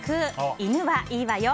犬はいいわよ！